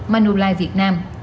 manulife việt nam